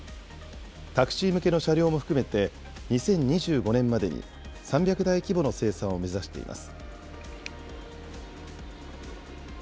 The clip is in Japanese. タクシー向けの車両も含めて、２０２５年までに３００台規模の生産を目指しています。